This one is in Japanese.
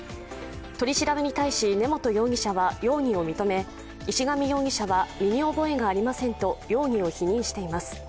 取り調べに対し根本容疑者は、容疑を認め、石神容疑者は身に覚えがありませんと容疑を否認しています。